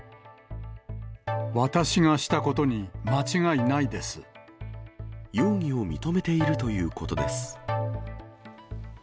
私がしたことに間違いないで容疑を認めているということです。